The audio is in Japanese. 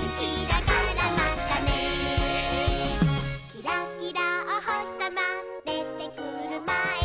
「キラキラおほしさまでてくるまえに」